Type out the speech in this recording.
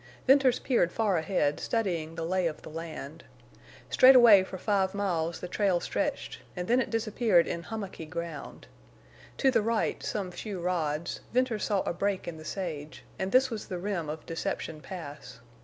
Venters peered far ahead, studying the lay of the land. Straightaway for five miles the trail stretched, and then it disappeared in hummocky ground. To the right, some few rods, Venters saw a break in the sage, and this was the rim of Deception Pass.